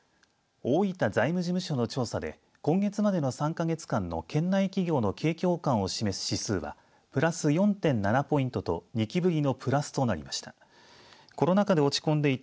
大分財務事務所の調査で今月までの３か月間の県内企業の景況感を示す指数はプラス４．７ポイントと２期ぶりのプラスとなりました。